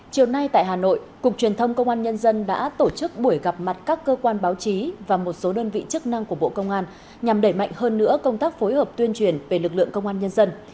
chiều nay tại hà nội cục truyền thông công an nhân dân đã tổ chức buổi gặp mặt các cơ quan báo chí và một số đơn vị chức năng của bộ công an nhằm đẩy mạnh hơn nữa công tác phối hợp tuyên truyền về lực lượng công an nhân dân